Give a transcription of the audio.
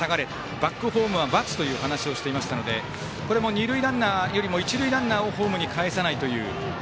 バックホームはバツという話をしていましたのでこれも二塁ランナーよりも一塁ランナーをホームにかえさないという。